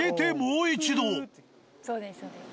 そうですそうです。